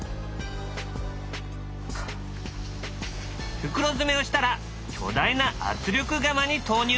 袋詰めをしたら巨大な圧力釜に投入。